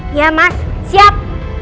iya mas siap